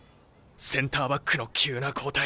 センターバックの急な交代。